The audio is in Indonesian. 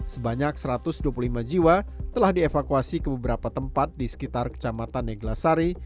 sebanyak satu ratus dua puluh lima jiwa telah dievakuasi ke beberapa tempat di sekitar kecamatan neglasari